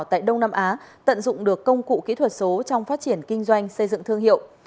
tại đông nam á tận dụng được công cụ kỹ thuật số trong phát triển kinh doanh xây dựng thương hiệu